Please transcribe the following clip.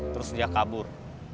terus dia kabur